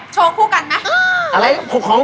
โชว์คู่กันไหม